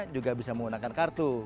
juga bisa menggunakan kartu